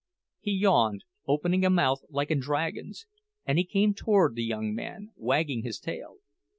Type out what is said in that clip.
He yawned, opening a mouth like a dragon's; and he came toward the young man, wagging his tail.